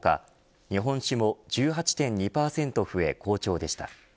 日本酒も１８．２％増え好調でした。